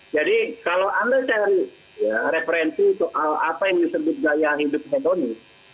jadi kalau anda cari referensi soal apa yang disebut gaya hidup hedoni